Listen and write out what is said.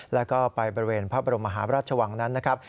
แล้วก็ไปบริเวณพระบรมหาพระราชวังนั้นนะครับ